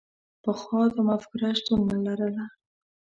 پخوا دا مفکوره شتون نه لرله.